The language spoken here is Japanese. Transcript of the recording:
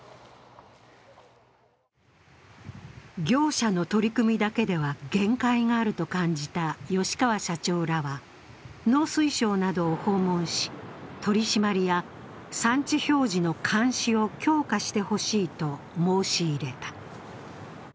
業者の取り組みだけでは限界があると感じた吉川社長らは農水省などを訪問し、取り締まりや産地表示の監視を強化してほしいと申し入れた。